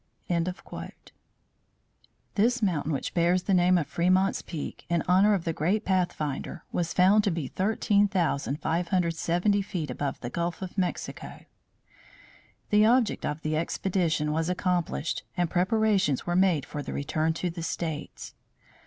This mountain which bears the name of Fremont's Peak, in honor of the great Pathfinder, was found to be 13,570 feet above the Gulf of Mexico. The object of the expedition was accomplished and preparations were made for the return to the states.